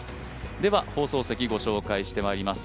では放送席ご紹介していきます。